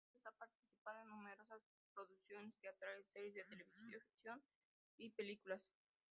Desde entonces ha participado en numerosas producciones teatrales, series de televisión y películas.